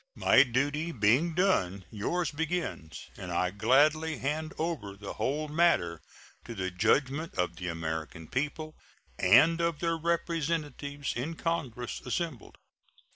My duty being done, yours begins; and I gladly hand over the whole matter to the judgment of the American people and of their representatives in Congress assembled.